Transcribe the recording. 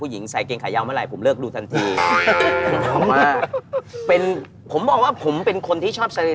อันนี้เขาไปดึงมาหรือครับนี่